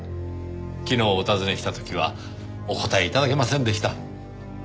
昨日お尋ねした時はお答え頂けませんでした。